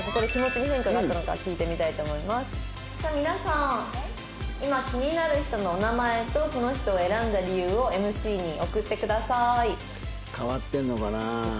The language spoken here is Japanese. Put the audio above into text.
「皆さん今気になる人のお名前とその人を選んだ理由をＭＣに送ってください」変わってるのかな？